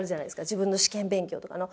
自分の試験勉強とかの。